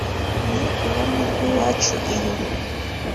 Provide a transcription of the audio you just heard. ni uwo mu rwiwacu iyo